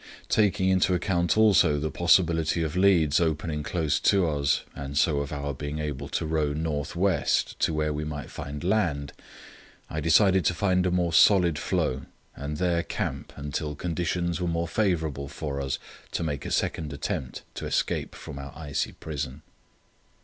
Taking into account also the possibility of leads opening close to us, and so of our being able to row north west to where we might find land, I decided to find a more solid floe and there camp until conditions were more favourable for us to make a second attempt to escape from our icy prison.